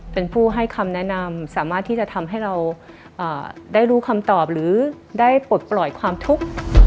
เป็นผู้ให้คำแนะนำสามารถที่จะทำให้เราได้รู้คำตอบหรือได้ปลดปล่อยความทุกข์